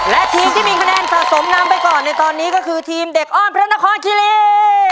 และทีมที่มีคะแนนสะสมนำไปก่อนในตอนนี้ก็คือทีมเด็กอ้อนพระนครคิรี